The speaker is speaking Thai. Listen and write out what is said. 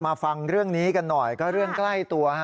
ฟังเรื่องนี้กันหน่อยก็เรื่องใกล้ตัว